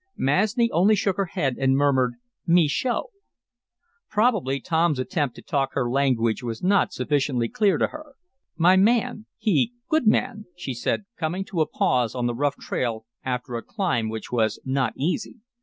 Masni only shook her head, and murmured: "Me show." Probably Tom's attempt to talk her language was not sufficiently clear to her. "My man he good man," she said, coming to a pause on the rough trail after a climb which was not easy.